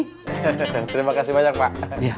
terima kasih banyak pak